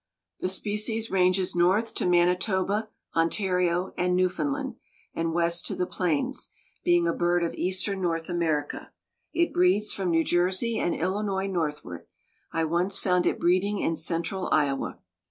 The species ranges north to Manitoba, Ontario, and Newfoundland, and west to the plains, being a bird of eastern North America. It breeds from New Jersey and Illinois northward. I once found it breeding in central Iowa.